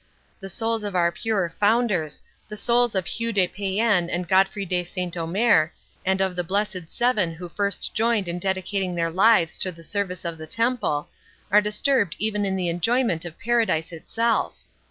The souls of our pure founders, the spirits of Hugh de Payen and Godfrey de Saint Omer, and of the blessed Seven who first joined in dedicating their lives to the service of the Temple, are disturbed even in the enjoyment of paradise itself.